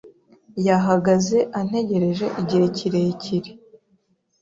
Yahagaze antegereje igihe kirekire.